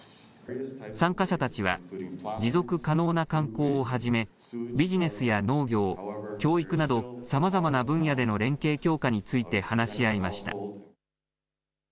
参加者たちは持続可能な観光をはじめ、ビジネスや農業、教育などさまざまな分野での連携強化について話し合いました。